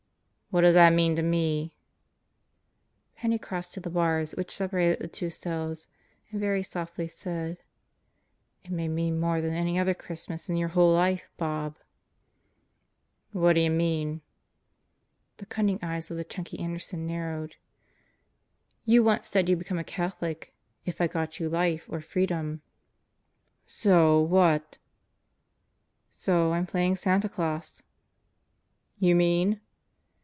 "What does that mean to me?" Penney crossed to the bars which separated the two cells and very softly said, "It may mean more than any other Christmas in your whole life, Bob." "Whaddya mean?" The cunning eyes of the chunky Anderson narrowed. "You once said you'd become a Catholic if I got you life or freedom." "So what?" "So I'm playing Santa Claus." "You mean